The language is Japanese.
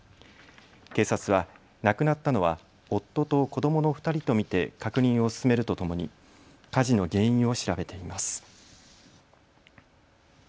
警察は亡くなったのは夫と子どもの２人と見て確認を進めるとともに火事の原因を調べています。